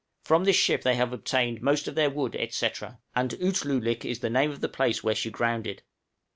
From this ship they have obtained most of their wood, &c. and Oot loo lik is the name of the place where she grounded.